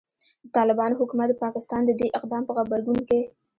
د طالبانو حکومت د پاکستان د دې اقدام په غبرګون کې